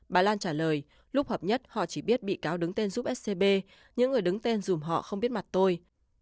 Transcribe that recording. bà lan trả lời lúc hợp nhất họ chỉ biết bị cáo đứng tên giúp scb những người đứng tên dùm họ không biết mặt tôi